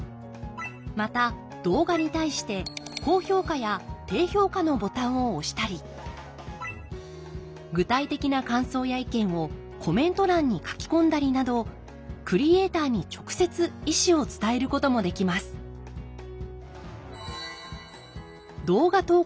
また動画に対して高評価や低評価のボタンを押したり具体的な感想や意見をコメント欄に書き込んだりなどクリエーターに直接意思を伝えることもできますんなるほど。